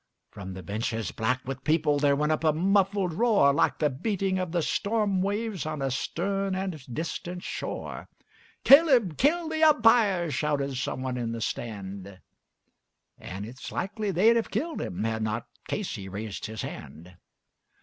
From the bleachers black with people there rose a sullen roar, Like the beating of the storm waves on a stern and distant shore, "Kill him! kill the Umpire!" shouted some one from the stand And it's likely they'd have done it had not Casey raised his hand.